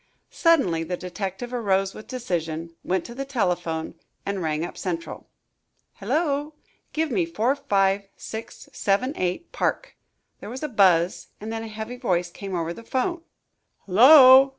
Suddenly the detective arose with decision, went to the telephone, and rang up Central. "Hullo!" "Give me 45678 Park." There was a buzz and then a heavy voice came over the 'phone. "Hullo!"